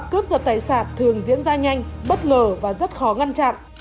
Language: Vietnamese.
cướp giật tài sản thường diễn ra nhanh bất ngờ và rất khó ngăn chặn